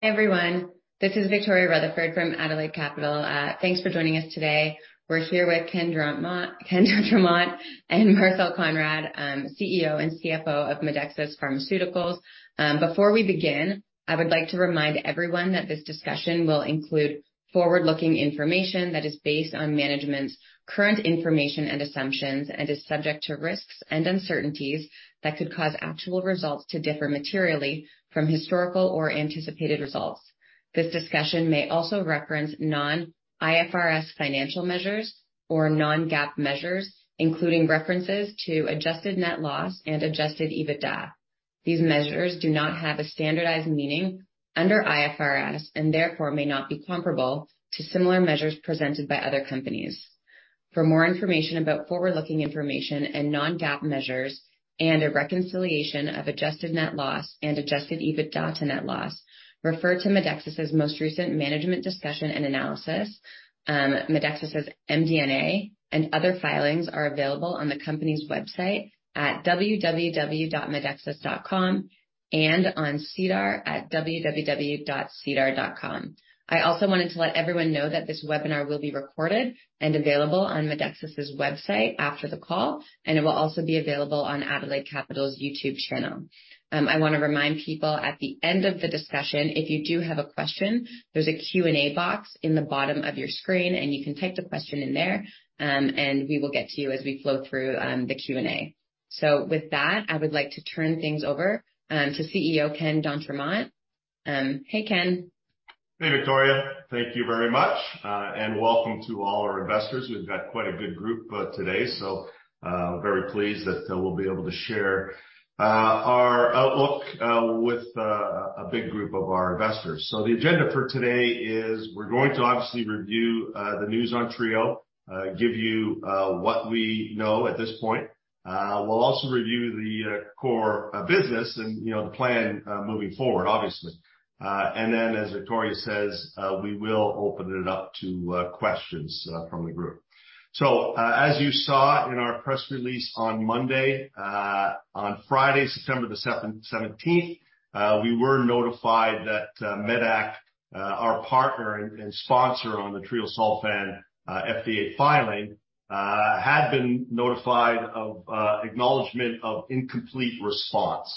Everyone, this is Victoria Rutherford from Adelaide Capital. Thanks for joining us today. We're here with Ken d'Entremont and Marcel Konrad, CEO and CFO of Medexus Pharmaceuticals. Before we begin, I would like to remind everyone that this discussion will include forward-looking information that is based on management's current information and assumptions and is subject to risks and uncertainties that could cause actual results to differ materially from historical or anticipated results. This discussion may also reference non-IFRS financial measures or non-GAAP measures, including references to adjusted net loss and Adjusted EBITDA. These measures do not have a standardized meaning under IFRS and therefore may not be comparable to similar measures presented by other companies. For more information about forward-looking information and non-GAAP measures and a reconciliation of adjusted net loss and Adjusted EBITDA to net loss, refer to Medexus's most recent management's discussion and analysis. Medexus's MD&A and other filings are available on the company's website at www.medexus.com and on SEDAR+ at www.sedar.com. I also wanted to let everyone know that this webinar will be recorded and available on Medexus's website after the call, and it will also be available on Adelaide Capital's YouTube channel. I want to remind people at the end of the discussion, if you do have a question, there's a Q&A box in the bottom of your screen, and you can type the question in there, and we will get to you as we flow through the Q&A. With that, I would like to turn things over to CEO Ken d'Entremont. Hey, Ken. Hey, Victoria. Thank you very much, and welcome to all our investors. We've got quite a good group today, so very pleased that we'll be able to share our outlook with a big group of our investors. The agenda for today is we're going to obviously review the news on treo, give you what we know at this point. We'll also review the core business and the plan moving forward, obviously. Then, as Victoria says, we will open it up to questions from the group. As you saw in our press release on Monday, on Friday, September the 17th, we were notified that medac, our partner and sponsor on the treosulfan FDA filing, had been notified of acknowledgment of incomplete response.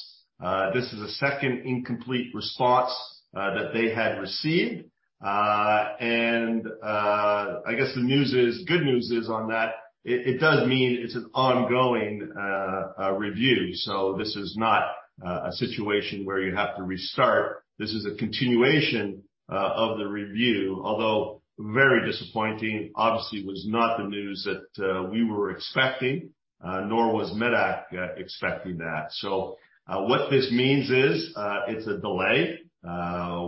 This is the second incomplete response that they had received, and I guess the good news is on that it does mean it's an ongoing review. This is not a situation where you have to restart. This is a continuation of the review, although very disappointing. Obviously, it was not the news that we were expecting, nor was medac expecting that. What this means is it's a delay.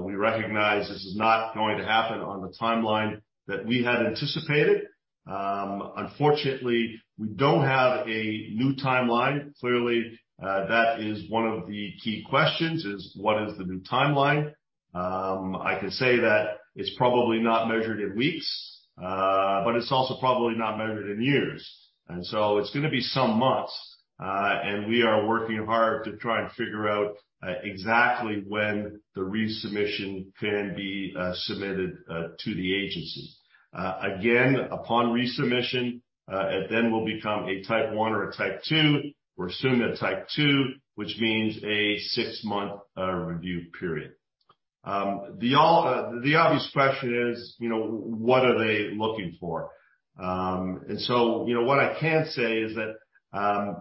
We recognize this is not going to happen on the timeline that we had anticipated. Unfortunately, we don't have a new timeline. Clearly, that is one of the key questions, what is the new timeline? I can say that it's probably not measured in weeks, but it's also probably not measured in years. It's going to be some months, and we are working hard to try and figure out exactly when the resubmission can be submitted to the agency. Again, upon resubmission, it then will become a Type 1 or a Type 2. We're assuming a Type 2, which means a six-month review period. The obvious question is, what are they looking for? What I can say is that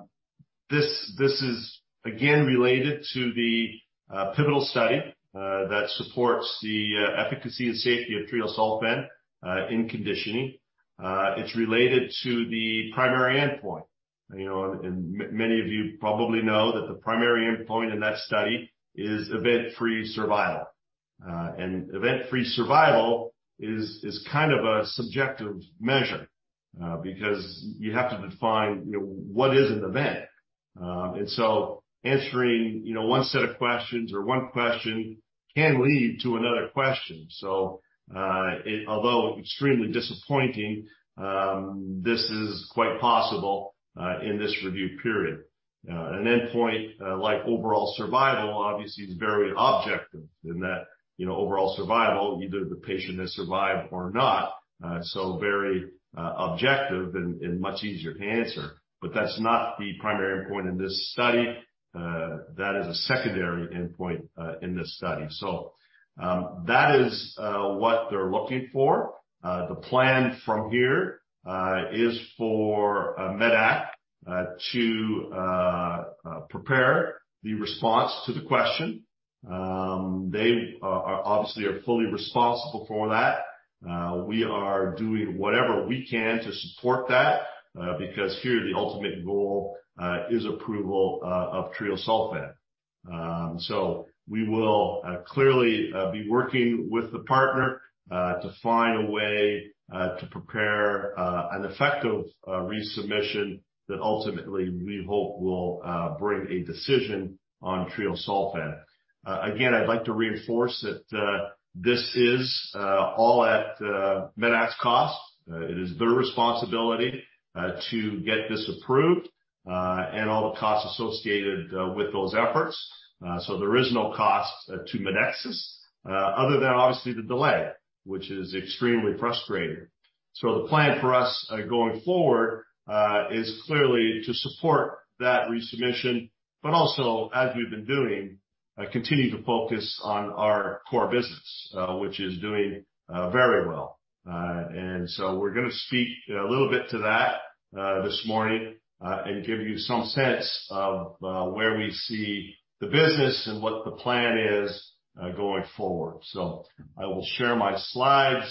this is again related to the pivotal study that supports the efficacy and safety of treosulfan in conditioning. It's related to the primary endpoint. Many of you probably know that the primary endpoint in that study is event-free survival. Event-free survival is kind of a subjective measure because you have to define what is an event. Answering one set of questions or one question can lead to another question. Although extremely disappointing, this is quite possible in this review period. An endpoint like overall survival obviously is very objective in that overall survival, either the patient has survived or not. Very objective and much easier to answer. That's not the primary endpoint in this study. That is a secondary endpoint in this study. That is what they're looking for. The plan from here is for medac to prepare the response to the question. They obviously are fully responsible for that. We are doing whatever we can to support that because here the ultimate goal is approval of treosulfan. We will clearly be working with the partner to find a way to prepare an effective resubmission that ultimately we hope will bring a decision on treosulfan. Again, I'd like to reinforce that this is all at medac's cost. It is their responsibility to get this approved. All the costs associated with those efforts. There is no cost to Medexus other than obviously the delay, which is extremely frustrating. The plan for us going forward is clearly to support that resubmission, but also, as we've been doing, continue to focus on our core business, which is doing very well. We're going to speak a little bit to that this morning and give you some sense of where we see the business and what the plan is going forward. I will share my slides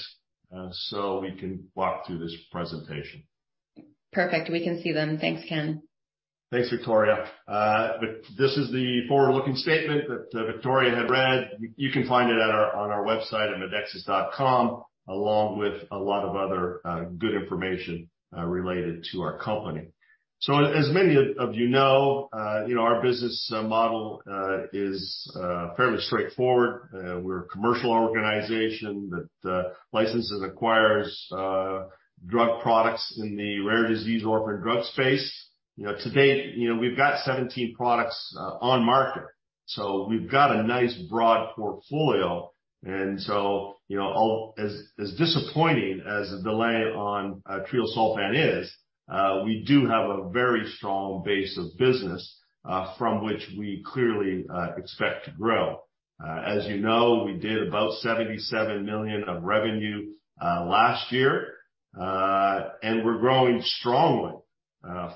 so we can walk through this presentation. Perfect. We can see them. Thanks, Ken. Thanks, Victoria. This is the forward-looking statement that Victoria had read. You can find it on our website at medexus.com, along with a lot of other good information related to our company. As many of you know, our business model is fairly straightforward. We're a commercial organization that licenses, acquires drug products in the rare disease orphan drug space. To date, we've got 17 products on market. We've got a nice broad portfolio. As disappointing as the delay on treosulfan is, we do have a very strong base of business from which we clearly expect to grow. As you know, we did about 77 million of revenue last year, and we're growing strongly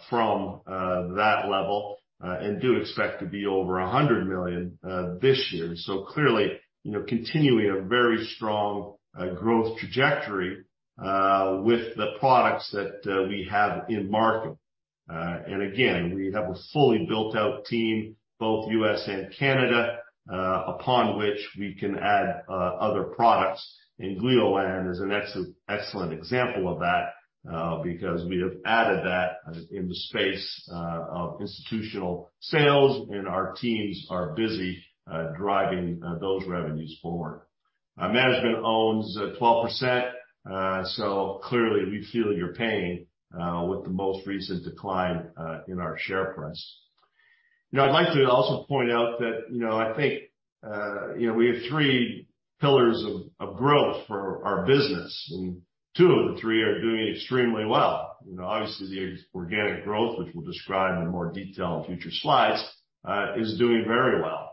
from that level and do expect to be over 100 million this year. Clearly continuing a very strong growth trajectory with the products that we have in market. Again, we have a fully built-out team, both U.S. and Canada, upon which we can add other products, and Gleolan is an excellent example of that because we have added that in the space of institutional sales, and our teams are busy driving those revenues forward. Management owns 12%, so clearly we feel your pain with the most recent decline in our share price. I'd like to also point out that I think we have three pillars of growth for our business, and two of the three are doing extremely well. Obviously, the organic growth, which we'll describe in more detail in future slides, is doing very well.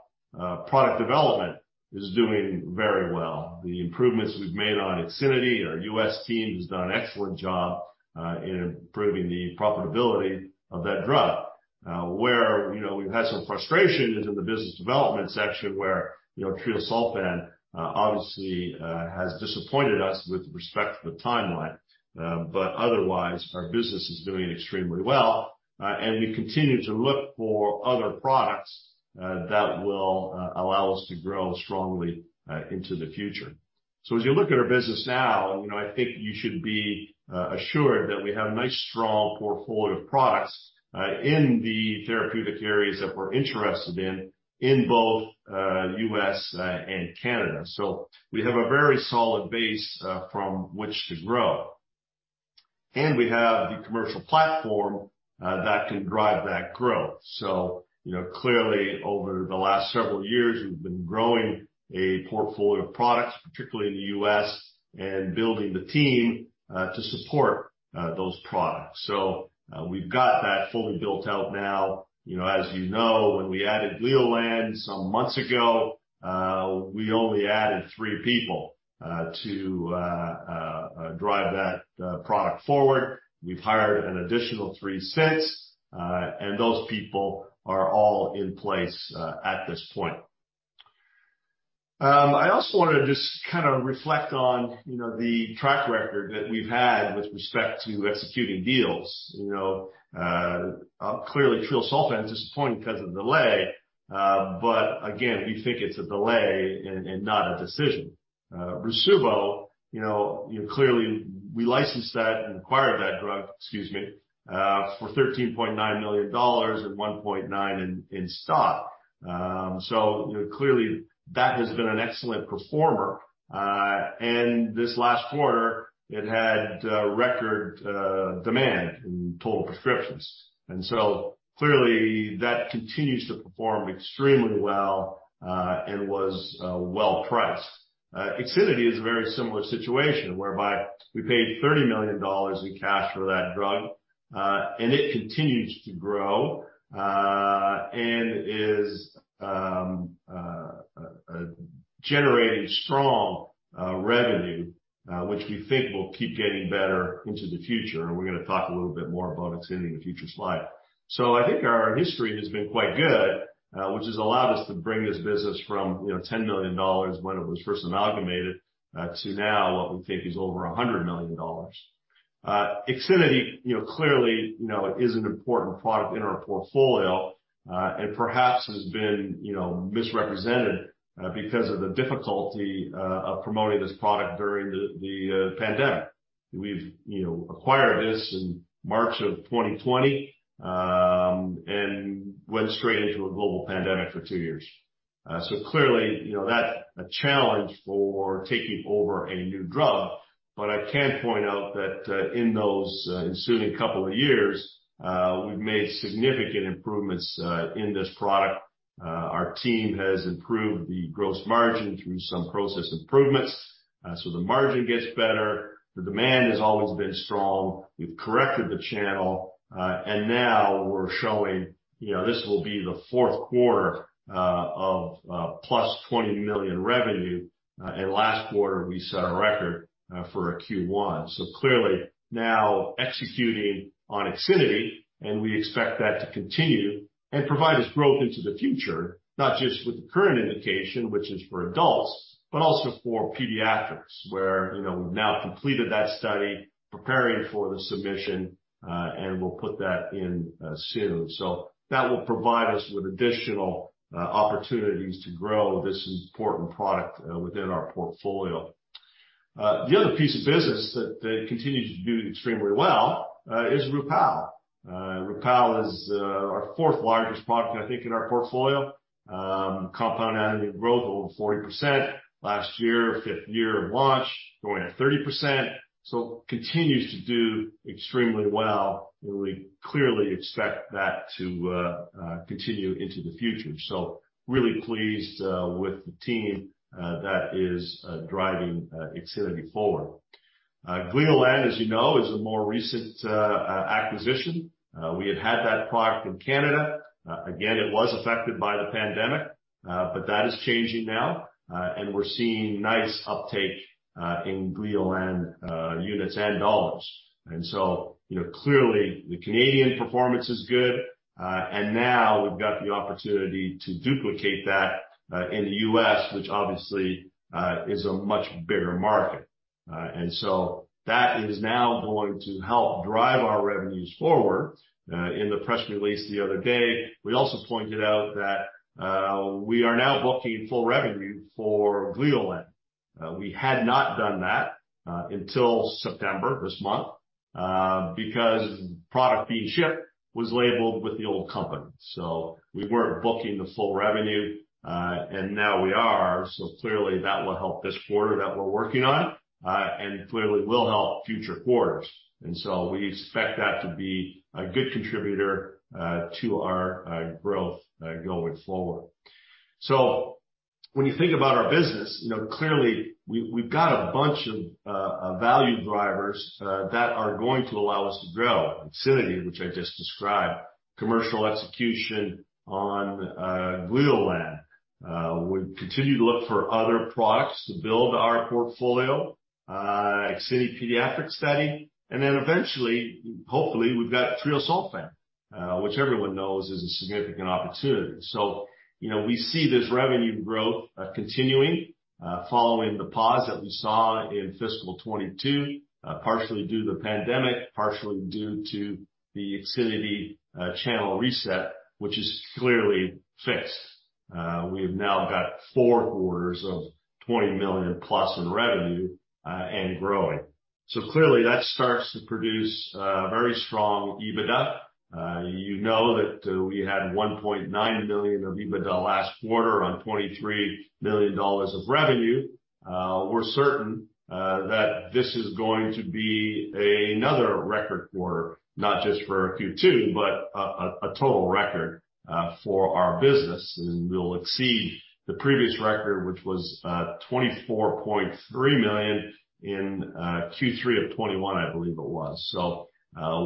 Product development is doing very well. The improvements we've made on IXINITY, our U.S. team has done an excellent job in improving the profitability of that drug. Where we've had some frustration is in the business development section, where treosulfan obviously has disappointed us with respect to the timeline. Otherwise, our business is doing extremely well, and we continue to look for other products that will allow us to grow strongly into the future. As you look at our business now, I think you should be assured that we have a nice, strong portfolio of products in the therapeutic areas that we're interested in both U.S. and Canada. We have a very solid base from which to grow, and we have the commercial platform that can drive that growth. Clearly over the last several years, we've been growing a portfolio of products, particularly in the U.S., and building the team to support those products. We've got that fully built out now. As you know, when we added Gleolan some months ago, we only added three people to drive that product forward. We've hired an additional three since, and those people are all in place at this point. I also want to just kind of reflect on the track record that we've had with respect to executing deals. Clearly treosulfan is disappointing because of the delay, but again, we think it's a delay and not a decision. Rasuvo, clearly we licensed that and acquired that drug, excuse me, for $13.9 million and $1.9 in stock. Clearly that has been an excellent performer. This last quarter it had record demand in total prescriptions, and so clearly that continues to perform extremely well and was well priced. IXINITY is a very similar situation whereby we paid 30 million dollars in cash for that drug, and it continues to grow and is generating strong revenue, which we think will keep getting better into the future, and we're going to talk a little bit more about IXINITY in a future slide. I think our history has been quite good, which has allowed us to bring this business from 10 million dollars when it was first amalgamated to now what we think is over 100 million dollars. IXINITY clearly is an important product in our portfolio and perhaps has been misrepresented because of the difficulty of promoting this product during the pandemic. We've acquired this in March of 2020 and went straight into a global pandemic for two years. Clearly, that's a challenge for taking over a new drug. I can point out that in those ensuing couple of years, we've made significant improvements in this product. Our team has improved the gross margin through some process improvements, so the margin gets better. The demand has always been strong. We've corrected the channel, and now we're showing this will be the fourth quarter of plus 20 million revenue. Last quarter, we set a record for a Q1. Clearly now executing on IXINITY, and we expect that to continue and provide us growth into the future, not just with the current indication, which is for adults, but also for pediatrics, where we've now completed that study, preparing for the submission, and we'll put that in soon, so that will provide us with additional opportunities to grow this important product within our portfolio. The other piece of business that continues to do extremely well is Rupall. Rupall is our fourth largest product, I think, in our portfolio. Compound annual growth over 40%. Last year, fifth year of launch, growing at 30%. Continues to do extremely well, and we clearly expect that to continue into the future. Really pleased with the team that is driving IXINITY forward. Gleolan, as you know, is a more recent acquisition. We had had that product in Canada. Again, it was affected by the pandemic, but that is changing now. We're seeing nice uptake in Gleolan units and dollars. Clearly, the Canadian performance is good, and now we've got the opportunity to duplicate that in the U.S., which obviously is a much bigger market. That is now going to help drive our revenues forward. In the press release the other day, we also pointed out that we are now booking full revenue for Gleolan. We had not done that until September this month, because product being shipped was labeled with the old company, so we weren't booking the full revenue, and now we are. Clearly that will help this quarter that we're working on and clearly will help future quarters. We expect that to be a good contributor to our growth going forward. When you think about our business, clearly we've got a bunch of value drivers that are going to allow us to grow IXINITY, which I just described, commercial execution on Gleolan. We continue to look for other products to build our portfolio, IXINITY pediatric study, and then eventually, hopefully, we've got treosulfan, which everyone knows is a significant opportunity. We see this revenue growth continuing, following the pause that we saw in fiscal 2022, partially due to the pandemic, partially due to the IXINITY channel reset, which is clearly fixed. We have now got four quarters of 20 million plus in revenue and growing. Clearly that starts to produce very strong EBITDA. You know that we had 1.9 million of EBITDA last quarter on 23 million dollars of revenue. We're certain that this is going to be another record quarter, not just for Q2, but a total record for our business, and we'll exceed the previous record, which was 24.3 million in Q3 of 2021, I believe it was.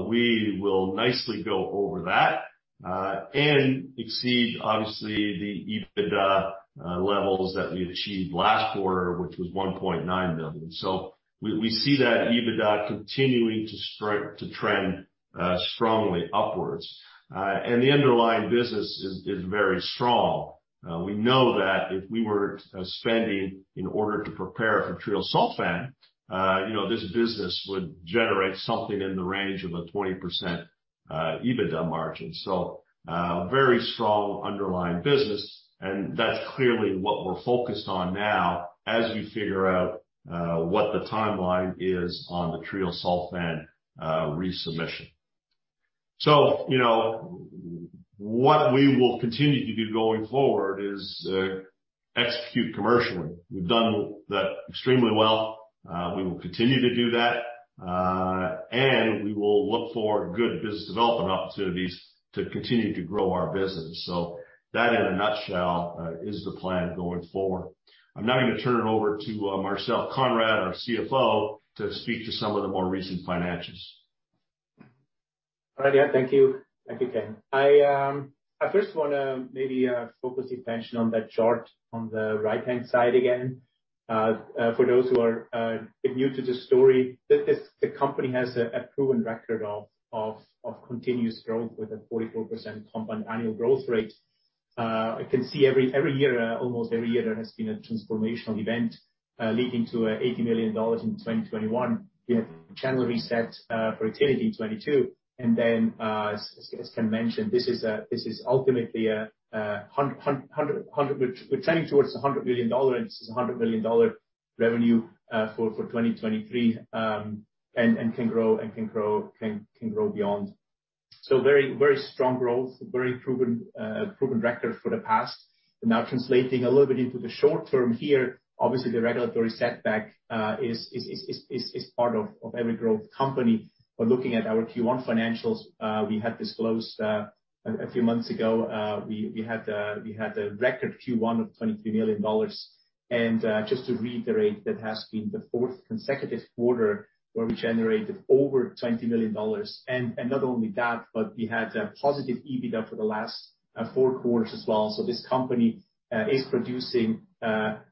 We will nicely go over that and exceed, obviously, the EBITDA levels that we achieved last quarter, which was 1.9 million. We see that EBITDA continuing to trend strongly upwards. The underlying business is very strong. We know that if we weren't spending in order to prepare for treosulfan, this business would generate something in the range of a 20% EBITDA margin. A very strong underlying business, and that's clearly what we're focused on now as we figure out what the timeline is on the treosulfan resubmission. What we will continue to do going forward is execute commercially. We've done that extremely well. We will continue to do that, and we will look for good business development opportunities to continue to grow our business. That in a nutshell is the plan going forward. I'm now going to turn it over to Marcel Konrad, our CFO, to speak to some of the more recent financials. All right. Thank you. Thank you, Ken. I first want to maybe focus attention on that chart on the right-hand side again. For those who are new to the story, the company has a proven record of continuous growth with a 44% compound annual growth rate. You can see every year, almost every year, there has been a transformational event leading to 80 million dollars in 2021. We had channel reset for IXINITY in 2022. Then as Ken mentioned, we're trending towards 100 million dollar, and this is 100 million dollar revenue for 2023, and can grow beyond. Very strong growth, very proven record for the past. Now translating a little bit into the short term here, obviously the regulatory setback is part of every growth company. Looking at our Q1 financials, we had disclosed a few months ago, we had a record Q1 of 23 million dollars. Just to reiterate, that has been the fourth consecutive quarter where we generated over 20 million dollars. Not only that, but we had a positive EBITDA for the last four quarters as well. This company is producing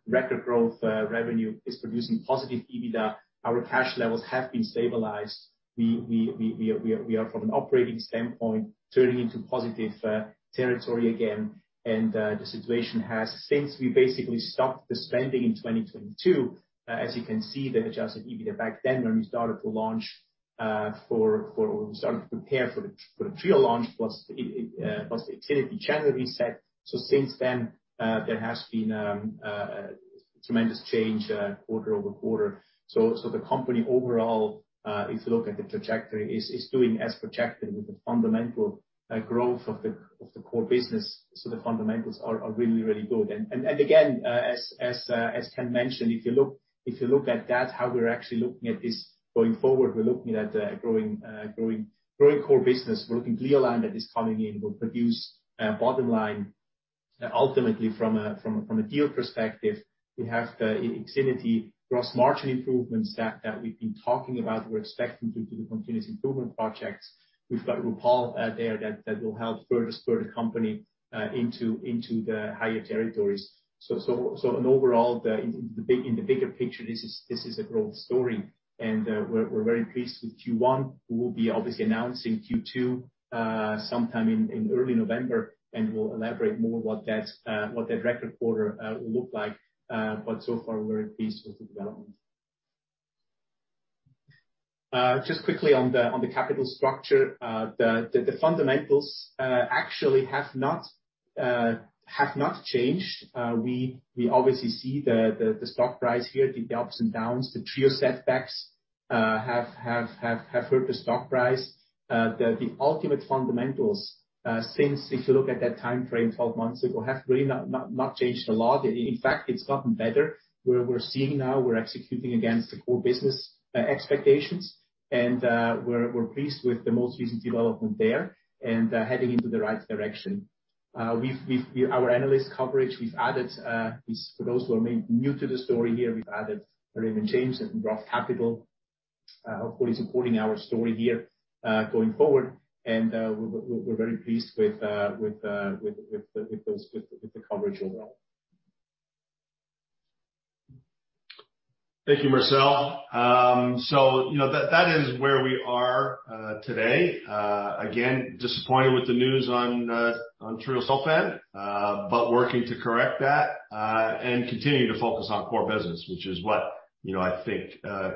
record growth revenue, is producing positive EBITDA. Our cash levels have been stabilized. We are from an operating standpoint, turning into positive territory again. The situation has since we basically stopped the spending in 2022, as you can see, the Adjusted EBITDA back then when we started to prepare for the treo launch, plus the IXINITY generally set. Since then, there has been a tremendous change quarter-over-quarter. The company overall, if you look at the trajectory, is doing as projected with the fundamental growth of the core business. The fundamentals are really good. Again, as Ken mentioned, if you look at that, how we're actually looking at this going forward, we're looking at a growing core business. We're looking at Gleolan that is coming in, will produce bottom line ultimately from a deal perspective. We have the IXINITY gross margin improvements that we've been talking about. We're expecting due to the continuous improvement projects. We've got Rupall there that will help further spur the company into the higher territories. Overall, in the bigger picture, this is a growth story, and we're very pleased with Q1. We will be obviously announcing Q2, sometime in early November, and we'll elaborate more what that record quarter will look like. So far, we're pleased with the development. Just quickly on the capital structure. The fundamentals actually have not changed. We obviously see the stock price here, the ups and downs, the treo setbacks have hurt the stock price. The ultimate fundamentals, since if you look at that timeframe 12 months ago, have really not changed a lot. In fact, it's gotten better. We're seeing now we're executing against the core business expectations, and we're pleased with the most recent development there and heading into the right direction. With our analyst coverage, for those who are maybe new to the story here, we've added Raymond James and Research Capital, hopefully supporting our story here, going forward. We're very pleased with the coverage overall. Thank you, Marcel. That is where we are today. Again, disappointed with the news on treosulfan, but working to correct that, and continuing to focus on core business, which is what I think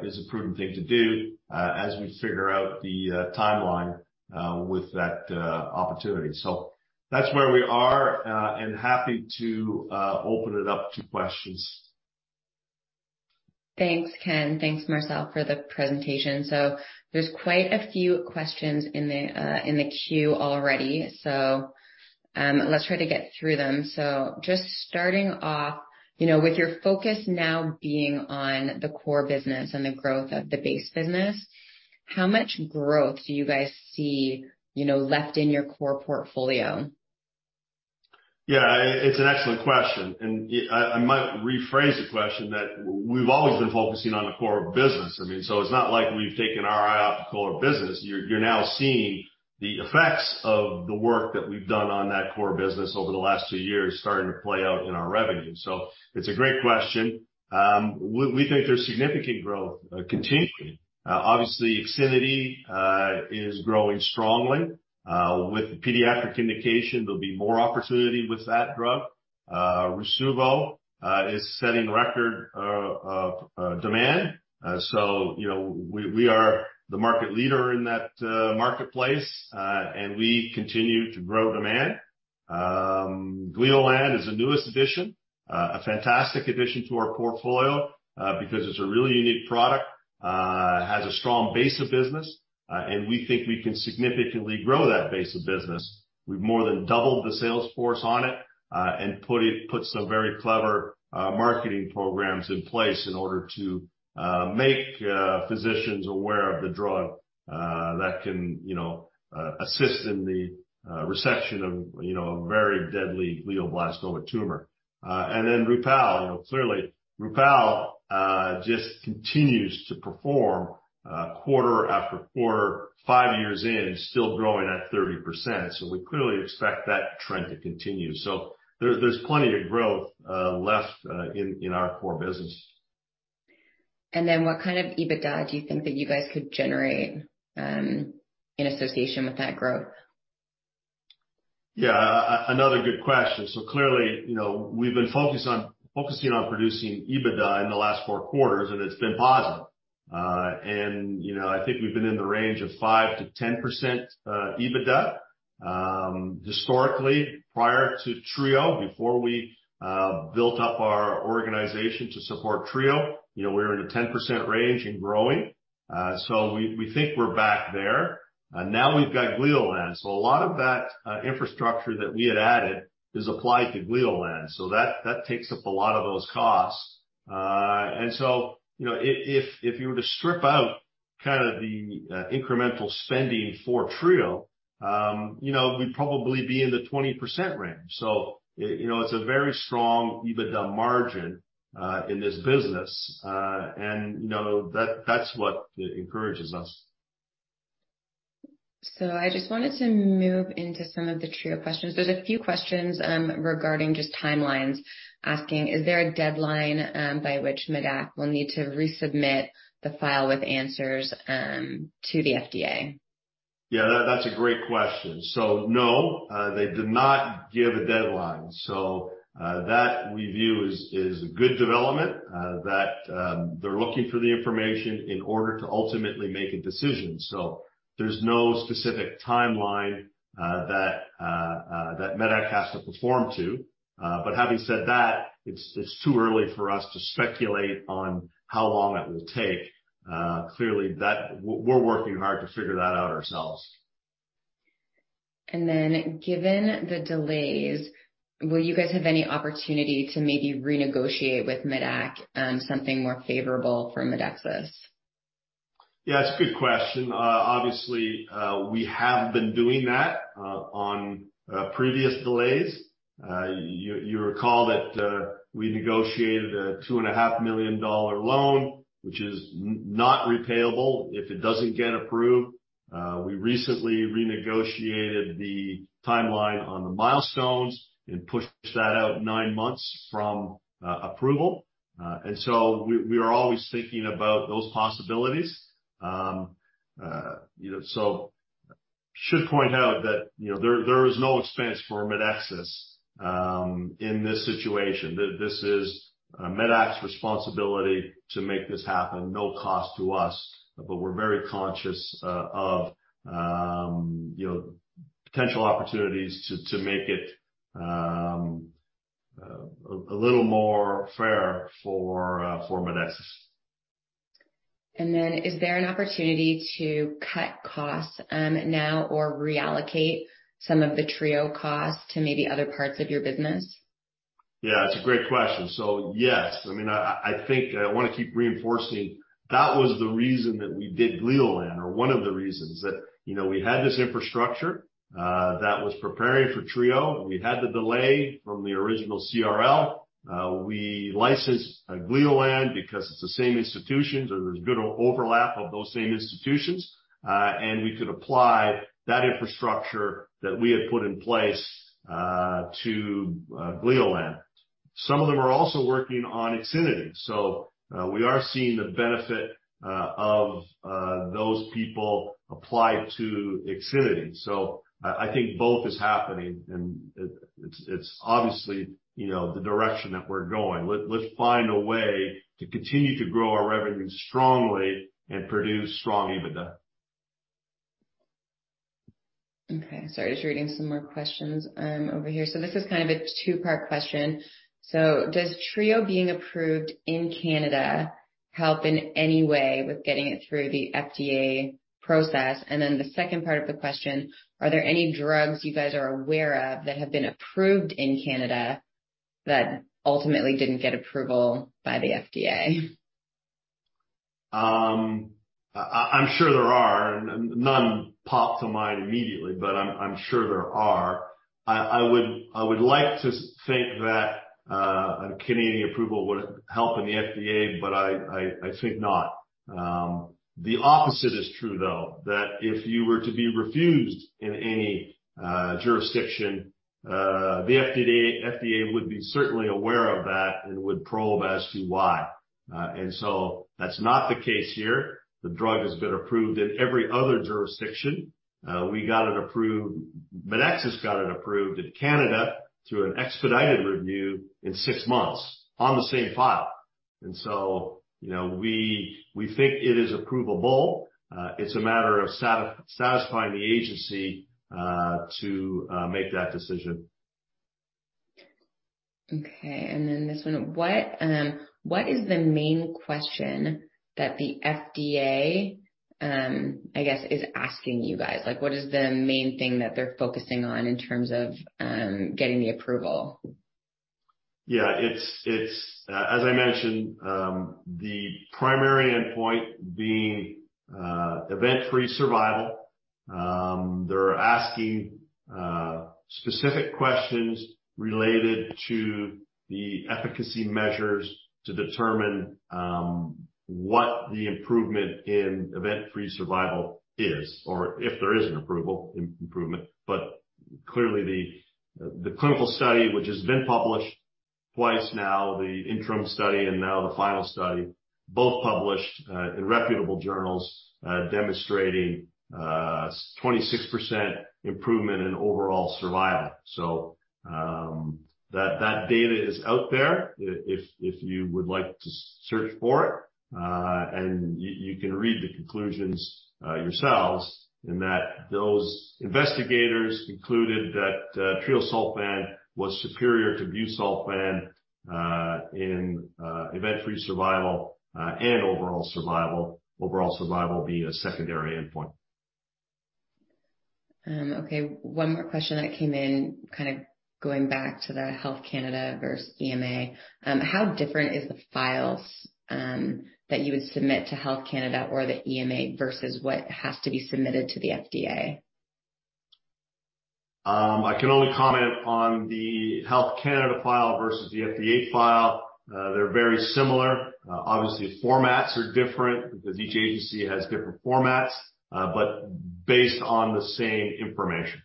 is a prudent thing to do, as we figure out the timeline with that opportunity. That's where we are, and happy to open it up to questions. Thanks, Ken. Thanks, Marcel, for the presentation. There's quite a few questions in the queue already, so let's try to get through them. Just starting off, with your focus now being on the core business and the growth of the base business, how much growth do you guys see left in your core portfolio? Yeah, it's an excellent question, and I might rephrase the question that we've always been focusing on the core business. I mean, it's not like we've taken our eye off the core business. You're now seeing the effects of the work that we've done on that core business over the last two years starting to play out in our revenue. It's a great question. We think there's significant growth continuing. Obviously, IXINITY is growing strongly. With the pediatric indication, there'll be more opportunity with that drug. Rasuvo is setting records of demand. We are the market leader in that marketplace, and we continue to grow demand. Gleolan is the newest addition, a fantastic addition to our portfolio, because it's a really unique product. It has a strong base of business, and we think we can significantly grow that base of business. We've more than doubled the sales force on it, and put some very clever marketing programs in place in order to make physicians aware of the drug that can assist in the resection of a very deadly glioblastoma tumor. Rupall, clearly Rupall just continues to perform quarter after quarter, five years in, is still growing at 30%. We clearly expect that trend to continue. There's plenty of growth left in our core business. What kind of EBITDA do you think that you guys could generate in association with that growth? Yeah. Another good question. Clearly, we've been focusing on producing EBITDA in the last four quarters, and it's been positive. I think we've been in the range of 5%-10% EBITDA. Historically, prior to treo, before we built up our organization to support treo, we were in a 10% range and growing. We think we're back there. Now we've got Gleolan. A lot of that infrastructure that we had added is applied to Gleolan. That takes up a lot of those costs. If you were to strip out the incremental spending for treo, we'd probably be in the 20% range. It's a very strong EBITDA margin in this business. That's what encourages us. I just wanted to move into some of the treo questions. There's a few questions regarding just timelines, asking, is there a deadline by which medac will need to resubmit the file with answers to the FDA? Yeah, that's a great question. No, they did not give a deadline that we view as a good development that they're looking for the information in order to ultimately make a decision. There's no specific timeline that medac has to perform to. Having said that, it's too early for us to speculate on how long it will take. Clearly, we're working hard to figure that out ourselves. Given the delays, will you guys have any opportunity to maybe renegotiate with medac something more favorable for Medexus? Yeah, that's a good question. Obviously, we have been doing that on previous delays. You recall that we negotiated a 2.5 million dollar loan, which is not repayable if it doesn't get approved. We recently renegotiated the timeline on the milestones and pushed that out nine months from approval. We are always thinking about those possibilities. Should point out that there is no expense for Medexus in this situation. This is medac's responsibility to make this happen, no cost to us, but we're very conscious of potential opportunities to make it a little more fair for Medexus. is there an opportunity to cut costs now or reallocate some of the treo costs to maybe other parts of your business? Yeah, that's a great question. Yes. I think I want to keep reinforcing, that was the reason that we did Gleolan, or one of the reasons that, we had this infrastructure that was preparing for treo. We had the delay from the original CRL. We licensed Gleolan because it's the same institutions, or there's good overlap of those same institutions. We could apply that infrastructure that we had put in place to Gleolan. Some of them are also working on IXINITY, so we are seeing the benefit of those people apply to IXINITY. I think both is happening, and it's obviously the direction that we're going. Let's find a way to continue to grow our revenue strongly and produce strong EBITDA. Okay. Sorry, just reading some more questions over here. This is kind of a two-part question. Does treo being approved in Canada help in any way with getting it through the FDA process? Then the second part of the question, are there any drugs you guys are aware of that have been approved in Canada that ultimately didn't get approval by the FDA? I'm sure there are. None pops to mind immediately, but I'm sure there are. I would like to think that a Canadian approval would help in the FDA, but I think not. The opposite is true, though. That if you were to be refused in any jurisdiction, the FDA would be certainly aware of that and would probe as to why. That's not the case here. The drug has been approved in every other jurisdiction. Medexus got it approved in Canada through an expedited review in six months on the same file. We think it is approvable. It's a matter of satisfying the agency to make that decision. Okay, this one. What is the main question that the FDA, I guess, is asking you guys? What is the main thing that they're focusing on in terms of getting the approval? Yeah. As I mentioned, the primary endpoint, being event-free survival. They're asking specific questions related to the efficacy measures to determine what the improvement in event-free survival is or if there is an appreciable improvement. Clearly, the clinical study, which has been published twice now, the interim study and now the final study, both published in reputable journals, demonstrating 26% improvement in overall survival. That data is out there if you would like to search for it, and you can read the conclusions yourselves, in that those investigators concluded that treosulfan was superior to busulfan in event-free survival and overall survival, overall survival being a secondary endpoint. Okay, one more question that came in going back to the Health Canada versus EMA. How different is the files that you would submit to Health Canada or the EMA versus what has to be submitted to the FDA? I can only comment on the Health Canada file versus the FDA file. They're very similar. Obviously, the formats are different because each agency has different formats, but based on the same information.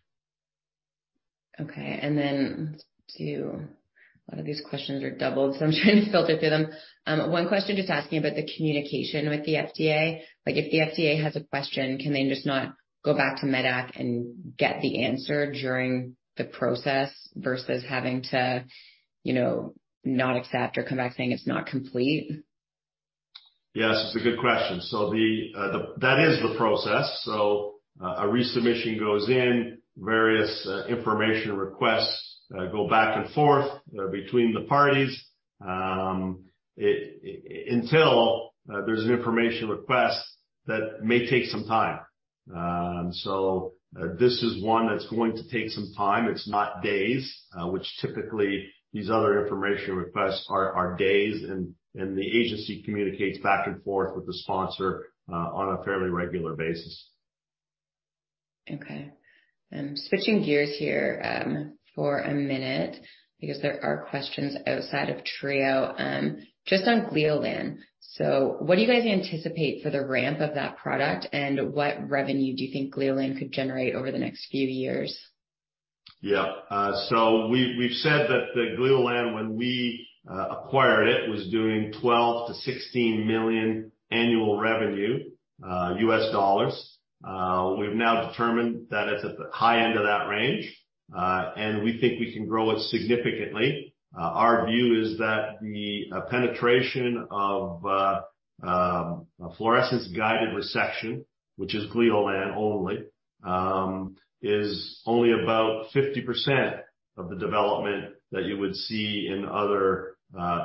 Okay. A lot of these questions are doubled, so I'm trying to filter through them. One question just asking about the communication with the FDA. Like if the FDA has a question, can they just not go back to medac and get the answer during the process versus having to not accept or come back saying it's not complete? Yes, it's a good question. That is the process. A resubmission goes in, various information requests go back and forth between the parties, until there's an information request that may take some time. This is one that's going to take some time. It's not days, which typically these other information requests are days, and the agency communicates back and forth with the sponsor on a fairly regular basis. Okay. Switching gears here for a minute because there are questions outside of treo, just on Gleolan. What do you guys anticipate for the ramp of that product, and what revenue do you think Gleolan could generate over the next few years? Yeah. We've said that the Gleolan, when we acquired it, was doing $12 million-$16 million annual revenue, US dollars. We've now determined that it's at the high end of that range. We think we can grow it significantly. Our view is that the penetration of fluorescence-guided resection, which is Gleolan only, is only about 50% of the development that you would see in other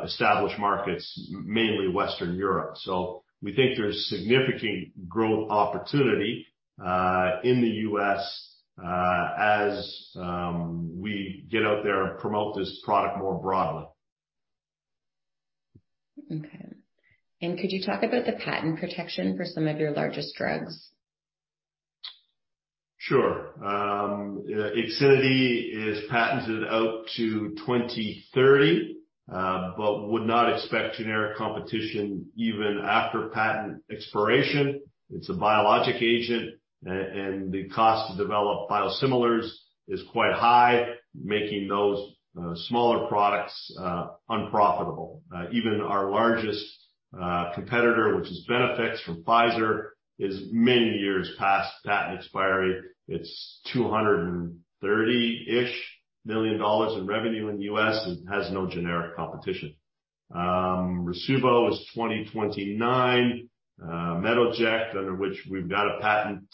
established markets, mainly Western Europe. We think there's significant growth opportunity in the U.S. as we get out there and promote this product more broadly. Okay. Could you talk about the patent protection for some of your largest drugs? Sure. IXINITY is patented out to 2030, but would not expect generic competition even after patent expiration. It's a biologic agent, and the cost to develop biosimilars is quite high, making those smaller products unprofitable. Even our largest competitor, which is BeneFIX from Pfizer, is many years past patent expiry. It's $230-ish million in revenue in the U.S. and has no generic competition. Rasuvo is 2029. Metoject, under which we've got a patent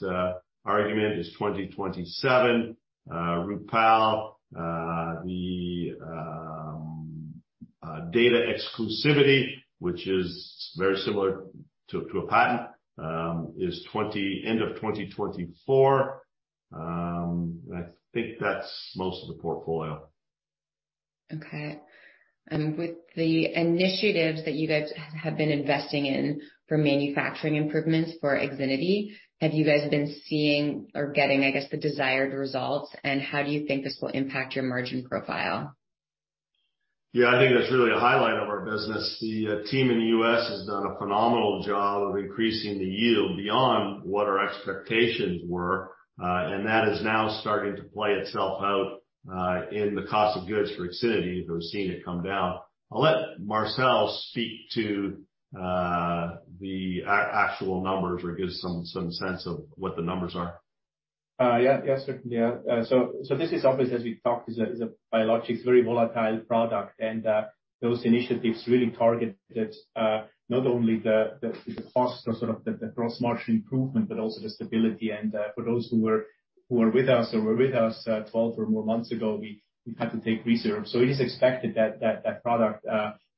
argument, is 2027. Rupall, the data exclusivity, which is very similar to a patent, is end of 2024. I think that's most of the portfolio. Okay. With the initiatives that you guys have been investing in for manufacturing improvements for IXINITY, have you guys been seeing or getting, I guess, the desired results, and how do you think this will impact your margin profile? Yeah, I think that's really a highlight of our business. The team in the U.S. has done a phenomenal job of increasing the yield beyond what our expectations were. That is now starting to play itself out in the cost of goods for IXINITY. We're seeing it come down. I'll let Marcel speak to the actual numbers or give some sense of what the numbers are. Yeah. Certainly. This is obvious as we've talked, is a biologic, very volatile product. Those initiatives really targeted not only the cost or sort of the gross margin improvement, but also the stability. For those who were with us 12 or more months ago, we had to take reserves. It is expected that that product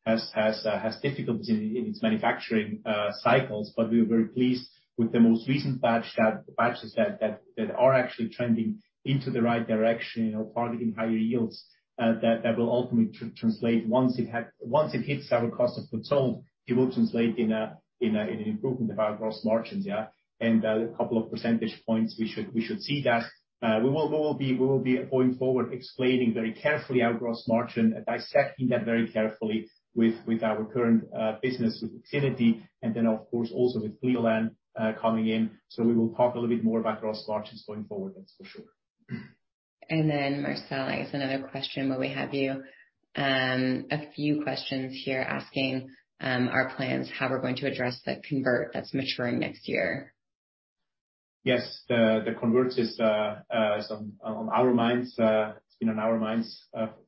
has difficulties in its manufacturing cycles, but we are very pleased with the most recent batches that are actually trending into the right direction, targeting higher yields that will ultimately translate once it hits our cost of goods sold. It will translate in an improvement of our gross margins, yeah. A couple of percentage points, we should see that. We will be going forward explaining very carefully our gross margin, dissecting that very carefully with our current business with IXINITY, and then of course also with Gleolan coming in. We will talk a little bit more about gross margins going forward, that's for sure. Marcel, I guess another question while we have you. A few questions here asking our plans, how we're going to address the convert that's maturing next year. Yes. The convert is on our minds. It's been on our minds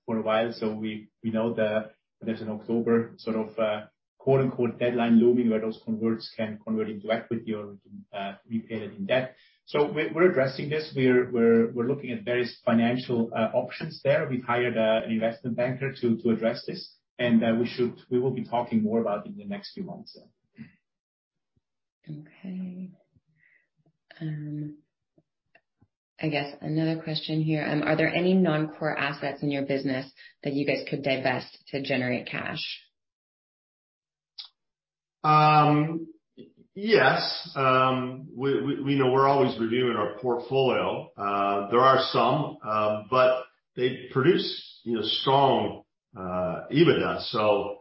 for a while. We know that there's an October sort of "deadline" looming where those converts can convert into equity or we can repay it in debt. We're addressing this. We're looking at various financial options there. We've hired an investment banker to address this, and we will be talking more about it in the next few months. Okay. I guess another question here. Are there any non-core assets in your business that you guys could divest to generate cash? Yes. We're always reviewing our portfolio. There are some, but they produce strong EBITDA.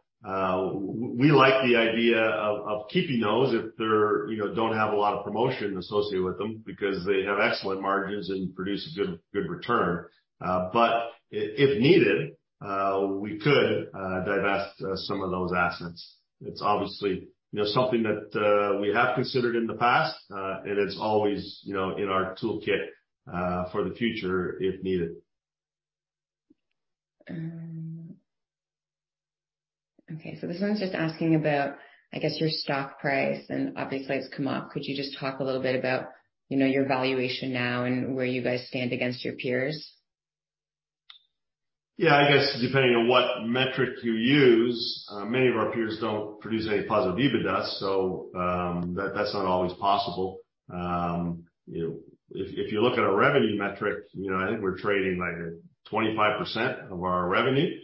We like the idea of keeping those if they don't have a lot of promotion associated with them because they have excellent margins and produce a good return. If needed, we could divest some of those assets. It's obviously something that we have considered in the past, and it's always in our toolkit for the future if needed. Okay. This one's just asking about, I guess, your stock price and obviously it's come up. Could you just talk a little bit about your valuation now and where you guys stand against your peers? Yeah, I guess depending on what metric you use. Many of our peers don't produce any positive EBITDA, so that's not always possible. If you look at a revenue metric, I think we're trading like at 25% of our revenue,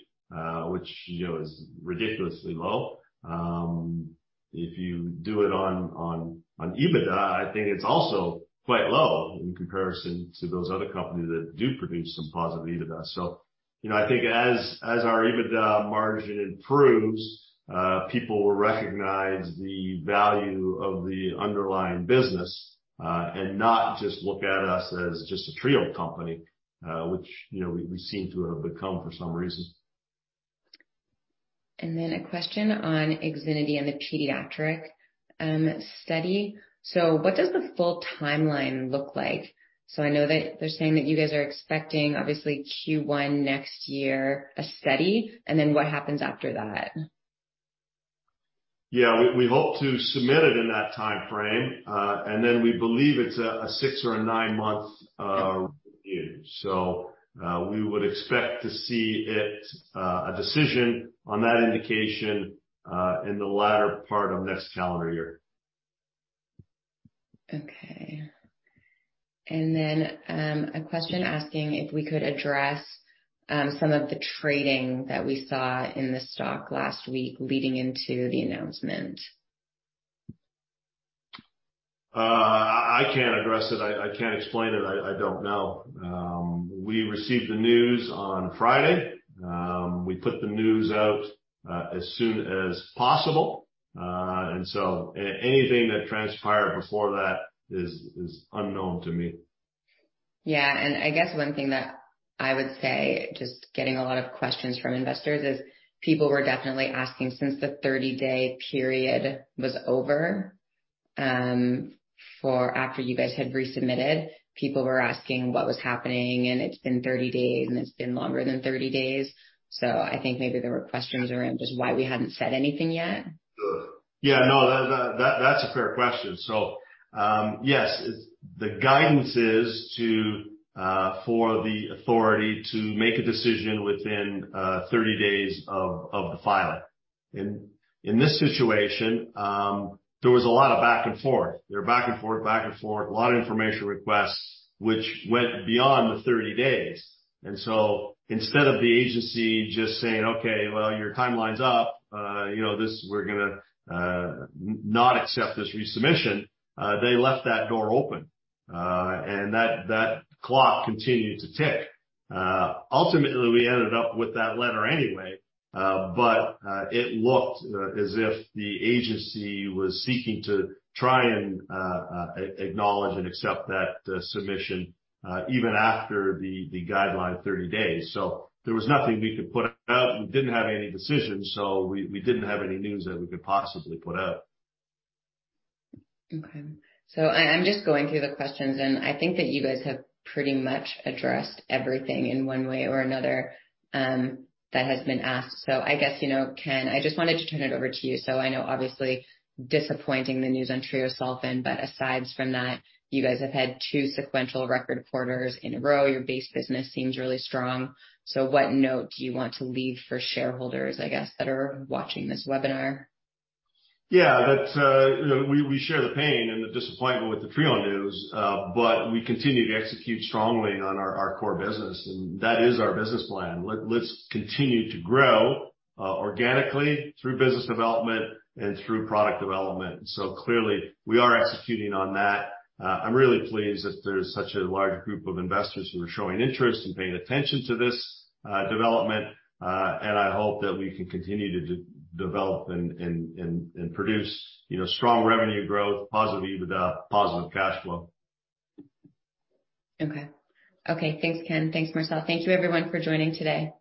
which is ridiculously low. If you do it on EBITDA, I think it's also quite low in comparison to those other companies that do produce some positive EBITDA. I think as our EBITDA margin improves, people will recognize the value of the underlying business, and not just look at us as just a Treo company, which we seem to have become for some reason. A question on IXINITY and the pediatric study. What does the full timeline look like? I know that they're saying that you guys are expecting, obviously Q1 next year, a study, and then what happens after that? Yeah. We hope to submit it in that timeframe. Then we believe it's a six or a nine month review. We would expect to see a decision on that indication in the latter part of next calendar year. Okay. A question asking if we could address some of the trading that we saw in the stock last week leading into the announcement. I can't address it. I can't explain it. I don't know. We received the news on Friday. We put the news out as soon as possible. Anything that transpired before that is unknown to me. Yeah. I guess one thing that I would say, just getting a lot of questions from investors, is people were definitely asking, since the 30-day period was over, for after you guys had resubmitted, people were asking what was happening, and it's been 30 days, and it's been longer than 30 days. I think maybe there were questions around just why we hadn't said anything yet. Sure. Yeah, no, that's a fair question. Yes. The guidance is for the authority to make a decision within 30 days of the filing. In this situation, there was a lot of back and forth, a lot of information requests, which went beyond the 30 days. Instead of the agency just saying, "Okay, well, your timeline's up. We're going to not accept this resubmission," they left that door open, and that clock continued to tick. Ultimately, we ended up with that letter anyway, but it looked as if the agency was seeking to try and acknowledge and accept that submission even after the guideline 30 days. There was nothing we could put out, and we didn't have any decisions, so we didn't have any news that we could possibly put out. Okay. I'm just going through the questions, and I think that you guys have pretty much addressed everything in one way or another that has been asked. I guess, Ken, I just wanted to turn it over to you. I know obviously disappointing the news on treosulfan, but aside from that, you guys have had two sequential record quarters in a row. Your base business seems really strong. What note do you want to leave for shareholders, I guess, that are watching this webinar? Yeah. We share the pain and the disappointment with the treo news, but we continue to execute strongly on our core business, and that is our business plan. Let's continue to grow organically through business development and through product development. Clearly we are executing on that. I'm really pleased that there's such a large group of investors who are showing interest and paying attention to this development. I hope that we can continue to develop and produce strong revenue growth, positive EBITDA, positive cash flow. Okay. Thanks, Ken. Thanks, Marcel. Thank you everyone for joining today.